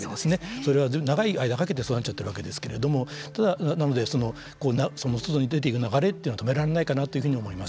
これは長い間かけてそうなっちゃってるわけなんですけれどもなので、外に出ていく流れというのは止められないかなというふうに思います。